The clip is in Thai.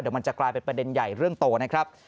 เดี๋ยวมันจะกลายเป็นประเด็นใหญ่เรื่องโตนะครับ